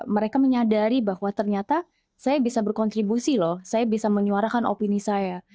mereka menyadari bahwa ternyata saya bisa berkontribusi loh saya bisa menyuarakan opini saya